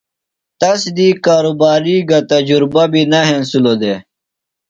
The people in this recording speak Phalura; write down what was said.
تس دی کارُباری گہ تجرُبہ بیۡ نہ ہنسِلوۡ دےۡ۔